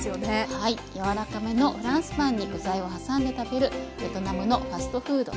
はい柔らかめのフランスパンに具材を挟んで食べるベトナムのファストフードです。